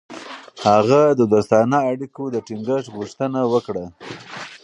هغه د دوستانه اړیکو د ټینګښت غوښتنه وکړه.